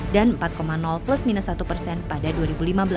dan empat persen di tahun dua ribu lima belas